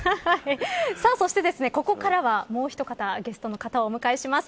そして、ここからはもう一方ゲストの方をお迎えします。